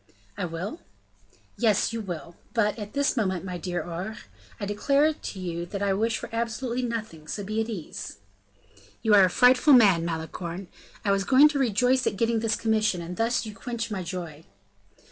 "I will?" "Yes, you will; but, at this moment, my dear Aure, I declare to you that I wish for absolutely nothing, so be at ease." "You are a frightful man, Malicorne; I was going to rejoice at getting this commission, and thus you quench my joy."